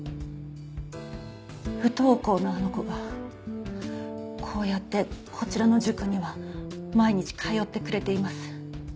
不登校のあの子がこうやってこちらの塾には毎日通ってくれています。